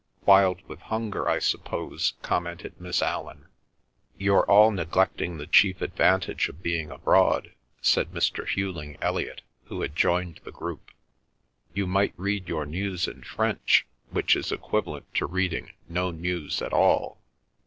"Wild with hunger, I suppose," commented Miss Allan. "You're all neglecting the chief advantage of being abroad," said Mr. Hughling Elliot, who had joined the group. "You might read your news in French, which is equivalent to reading no news at all."